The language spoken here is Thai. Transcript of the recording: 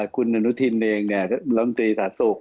คุณอนุทินเองเนี่ยบริมทรีย์ศาสตร์ศูกร์